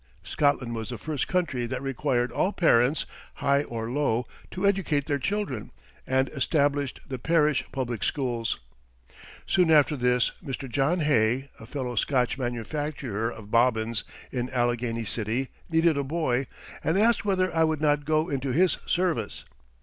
Scotland was the first country that required all parents, high or low, to educate their children, and established the parish public schools. Soon after this Mr. John Hay, a fellow Scotch manufacturer of bobbins in Allegheny City, needed a boy, and asked whether I would not go into his service.